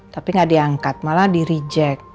tapi gak diangkat malah dirijek